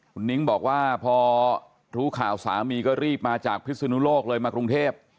คุณนิ้งบอกว่าพอรู้ข่าวสามีก็รีบมาจากพิศนุโลกเลยมากรุงเทพ